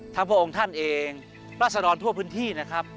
ทั้งภพองค์ท่านเองราศนอนทั่วพื้นที่